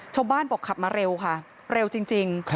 ชาวบ้านบอกขับมาเร็วค่ะเร็วจริง